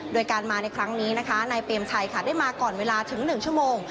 โดยการมาในครั้งนี้นะคะนายเปรมชัยค่ะได้มาก่อนเวลาถึง๑ชั่วโมง